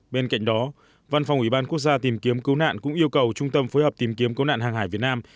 bên cạnh đó văn phòng ủy ban quốc gia tìm kiếm cứu nạn cũng yêu cầu trung tâm phối hợp tìm kiếm cứu nạn hàng hải việt nam